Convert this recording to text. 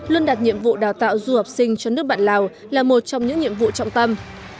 luôn đặt nhiệm vụ đào tạo du học sinh cho nước bạn lào là một trong những nhiệm vụ trọng tâm